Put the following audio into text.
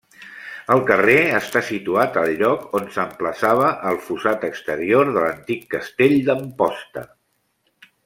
El carrer està situat al lloc on s'emplaçava el fossat exterior de l'antic castell d'Amposta.